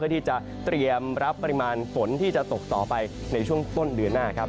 ที่จะเตรียมรับปริมาณฝนที่จะตกต่อไปในช่วงต้นเดือนหน้าครับ